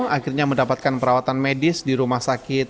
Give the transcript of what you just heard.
akhirnya mendapatkan perawatan medis di rumah sakit